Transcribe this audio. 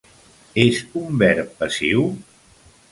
És un verb passiu?